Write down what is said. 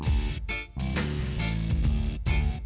kopi lihat deh jodoh itu